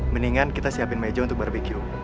mendingan kita siapin meja untuk barbecue